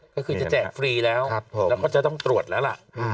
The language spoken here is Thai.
ก็คือจะแจกฟรีแล้วแล้วก็จะต้องตรวจแล้วล่ะ